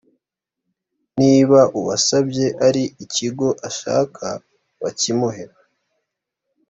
niba uwasabye ari ikigo ashaka bakimuhe